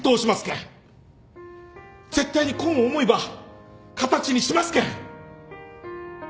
絶対にこん思いば形にしますけん。